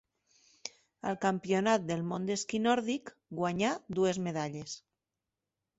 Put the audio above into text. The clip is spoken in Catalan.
Al Campionat del Món d'esquí nòrdic guanyà dues medalles.